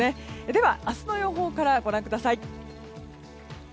では、明日の予報からご覧ください。